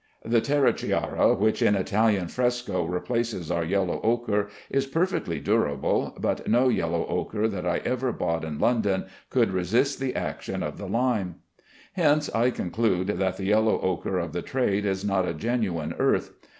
The terra chiara, which, in Italian fresco, replaces our yellow ochre, is perfectly durable, but no yellow ochre that I ever bought in London would resist the action of the lime. Hence I conclude that the yellow ochre of the trade is not a genuine earth.